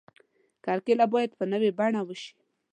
کرکیله باید په نوې بڼه وشي.